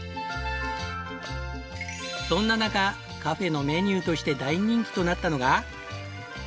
そんな中カフェのメニューとして大人気となったのが。